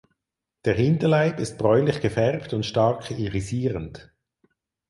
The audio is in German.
Der Hinterleib ist bräunlich gefärbt und stark irisierend.